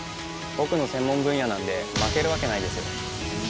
僕の専門分野なんで、負けるわけないですよ。